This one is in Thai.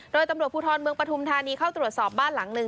โดยตำรวจภูทรเมืองปฐุมธานีเข้าตรวจสอบบ้านหลังหนึ่ง